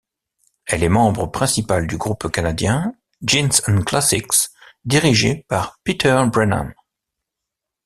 Elle est membre principal du groupe canadien Jeans ’n Classics dirigé par Peter Brennan.